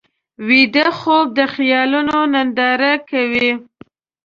ویده خوب د خیالونو ننداره ده